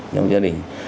trong gia đình